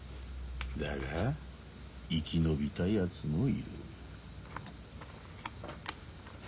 だが生き延びた奴もいる。